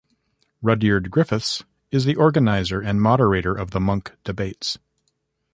Rudyard Griffiths is the organiser and moderator of the Munk Debates.